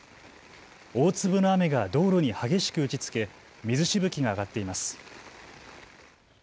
大粒の雨が道路に激しく打ちつけ水しぶきが上がっています。